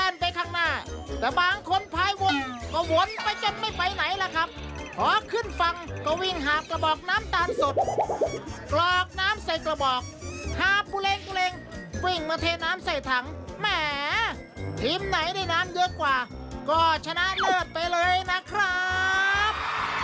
วิ่งมาเทน้ำใส่ถังแหมทีมไหนได้น้ำเยอะกว่าก็ชนะเลิศไปเลยนะครับ